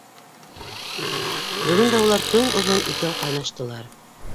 Бөгөн дә улар көн оҙон икәү ҡайнаштылар.